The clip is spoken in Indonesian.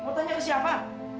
mau tanya ke siapa